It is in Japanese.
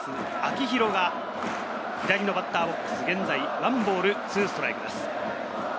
秋広が、左のバッターボックス、現在１ボール２ストライクです。